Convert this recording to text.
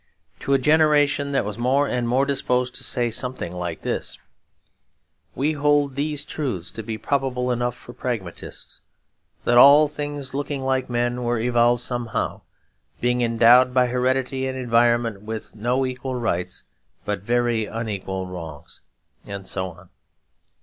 to a generation that was more and more disposed to say something like this: 'We hold these truths to be probable enough for pragmatists; that all things looking like men were evolved somehow, being endowed by heredity and environment with no equal rights, but very unequal wrongs,' and so on.